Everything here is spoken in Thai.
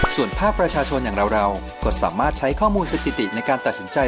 ส่วนภาคประชาชนอย่างเราก็สามารถใช้ข้อมูลสถิติในการตัดสินใจ